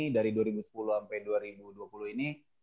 dari dua ribu sepuluh sampai dua ribu dua puluh ini